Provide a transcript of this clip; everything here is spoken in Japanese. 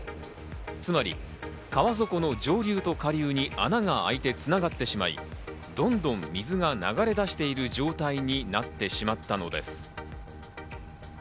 つまり川底の上流と下流に穴があいて繋がってしまい、どんどん水が流れ出している状態になってしまったのです。